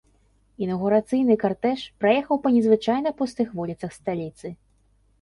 Інаўгурацыйны картэж праехаў па незвычайна пустых вуліцах сталіцы.